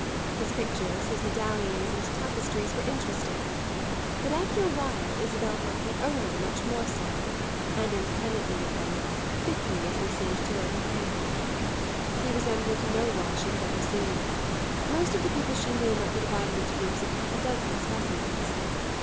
His pictures, his medallions and tapestries were interesting; but after a while Isabel felt the owner much more so, and independently of them, thickly as they seemed to overhang him. He resembled no one she had ever seen; most of the people she knew might be divided into groups of half a dozen specimens.